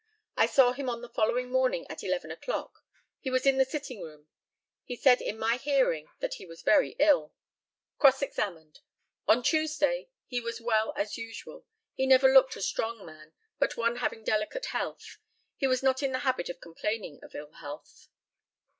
I saw him on the following morning at eleven o'clock. He was in his sitting room. He said in my hearing that he was very ill. Cross examined: On Tuesday he was as well as usual. He never looked a strong man, but one having delicate health. He was not in the habit of complaining of ill health.